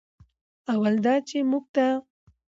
اول دا چې موږ ته